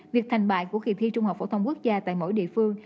việc thành bại của kỳ thi trung học phổ thông quốc gia tại mỗi địa phương